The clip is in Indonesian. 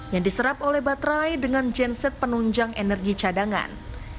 yang diserap oleh baterai dengan genset penunjang energi cadangan